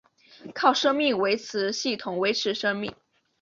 靠生命维持系统维持生命。